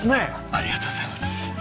ありがとうございます